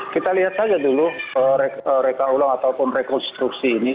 kita lihat saja dulu reka ulang ataupun rekonstruksi ini